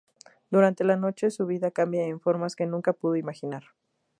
Durante la noche, su vida cambia en formas que nunca pudo imaginar.